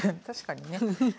確かにね。